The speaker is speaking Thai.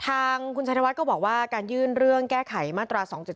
ทางคุณชัยธวัดก็บอกว่าการยื่นเรื่องแก้ไขมาตรวจสองเจน